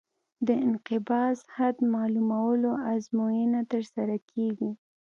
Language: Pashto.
د انقباض حد معلومولو ازموینه ترسره کیږي